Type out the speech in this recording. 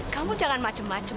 kamu jangan macem macem